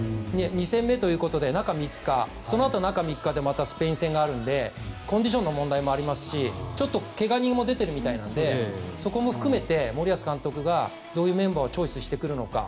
２戦目ということで中３日そのあと中３日でまたスペイン戦があるのでコンディションの問題もありますしちょっと怪我人も出ているみたいなのでそこも含めて森保監督がどういうメンバーをチョイスしてくるのか。